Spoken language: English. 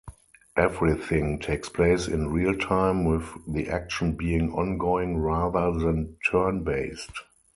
Everything takes place in real-time with the action being ongoing rather than turn-based.